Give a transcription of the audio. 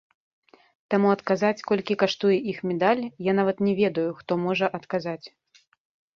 Таму адказаць, колькі каштуе іх медаль, я нават не ведаю, хто можа адказаць.